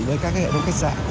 với các hệ thống khách sạn